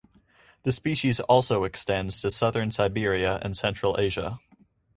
The species also extends to southern Siberia and Central Asia.